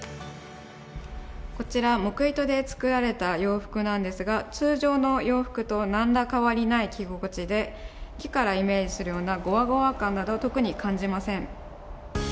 こちら、木糸で作られた洋服なんですが、通常の洋服と何ら変わりない着心地で木からイメージするようなごわごわ感など特に感じません。